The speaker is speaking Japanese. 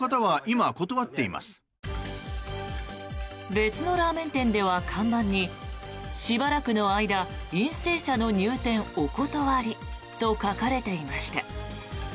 別のラーメン店では看板にしばらくの間陰性者の入店お断りと書かれていました。